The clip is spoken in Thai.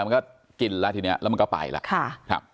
มันก็ไหลลงมามันก็กินแหละ